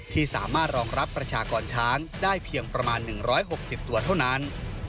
ที่สามารถรองรับประชากรช้างได้เพียงประมาณ๑๖๐ตัวเท่านั้น